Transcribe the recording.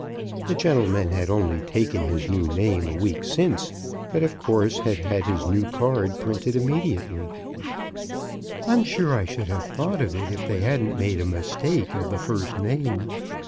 The gentleman had only taken his new name a week since, but of course had had his new card printed immediately. " I'm sure I should have thought of it, if they hadn't made a mistake of the first name.